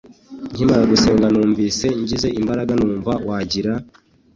Nkimara gusenga numvise ngize imbaraga numva wagira